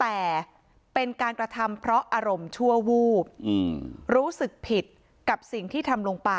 แต่เป็นการกระทำเพราะอารมณ์ชั่ววูบรู้สึกผิดกับสิ่งที่ทำลงไป